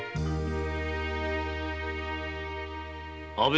阿部